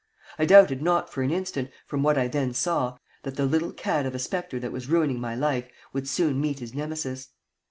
I doubted not for an instant, from what I then saw, that the little cad of a spectre that was ruining my life would soon meet his Nemesis.